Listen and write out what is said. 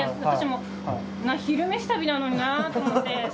私も「昼めし旅」なのになと思って。